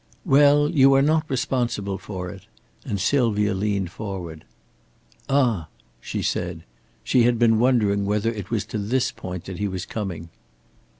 "Well, you are not responsible for it," and Sylvia leaned forward. "Ah!" she said. She had been wondering whether it was to this point that he was coming.